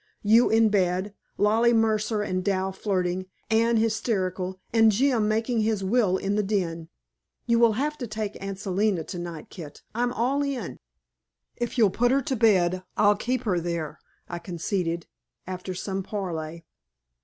"You in bed, Lollie Mercer and Dal flirting, Anne hysterical, and Jim making his will in the den! You will have to take Aunt Selina tonight, Kit; I'm all in." "If you'll put her to bed, I'll keep her there," I conceded, after some parley.